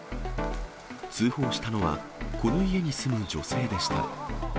通報したのは、この家に住む女性でした。